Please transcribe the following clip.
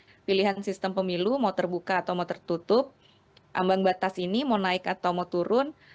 kalau pilihan sistem pemilu mau terbuka atau mau tertutup ambang batas ini mau naik atau mau turun